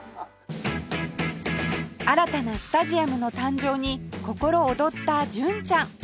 新たなスタジアムの誕生に心躍った純ちゃん